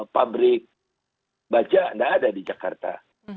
pabrik baja tidak ada di jakarta